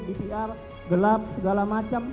dpr gelap segala macam